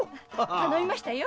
頼みましたよ。